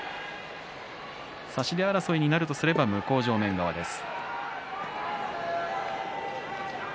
差し手争いになるとすれば向正面側です。